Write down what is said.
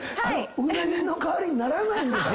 ウナギの代わりにならないんですよ。